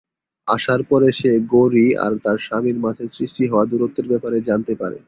আসার পরে সে গৌরী আর তার স্বামীর মাঝে সৃষ্টি হওয়া দূরত্বের ব্যাপারে জানতে পারে।